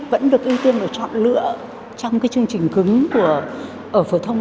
vẫn được ưu tiên và chọn lựa trong chương trình cứng của phổ thông